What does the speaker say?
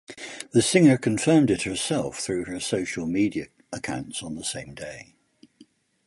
The singer confirmed it herself through her social media accounts on the same day.